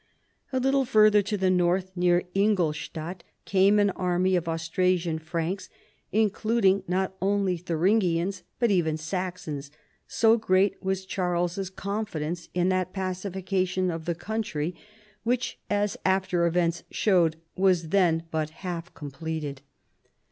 A little further to the north, near Ingoldstadt, came an army of Austrasian Franks, including not only Thuringians but even Saxons, so great was Charles's conlidcnco in that pacification of the country which, ISO CHARLEMAGNE. as after events showed, was then but half completed.